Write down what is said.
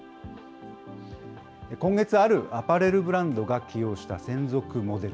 今月、あるアパレルブランドが起用した専属モデル。